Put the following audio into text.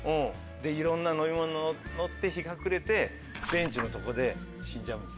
でいろんな乗り物乗って日が暮れてベンチのとこで死んじゃうんです。